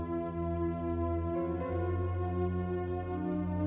saya akan mencari suami saya